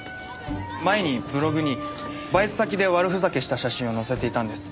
前にブログにバイト先で悪ふざけした写真を載せていたんです。